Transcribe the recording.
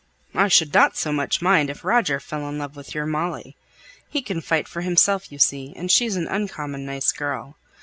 "I shouldn't so much mind if Roger fell in love with your Molly. He can fight for himself, you see, and she's an uncommon nice girl.